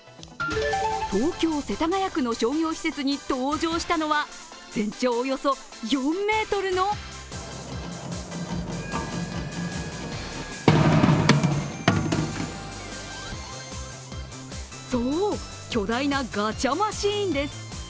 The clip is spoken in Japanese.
東京・世田谷区の商業施設に登場したのは全長およそ４ｍのそう、巨大なガチャマシーンです。